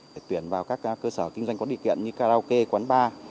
để tuyển vào các cơ sở kinh doanh có điều kiện như karaoke quán bar